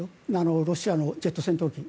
ロシアのジェット戦闘機。